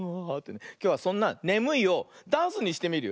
きょうはそんな「ねむい」をダンスにしてみるよ。